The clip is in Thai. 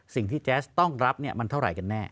ซึ่งที่แจ๊สต้องรับมันเท่าไรกันแน่